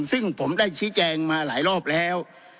ซึ่งผมได้ชี้แจงมาหลายรอบแล้ว